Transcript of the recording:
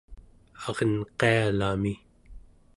arenqialami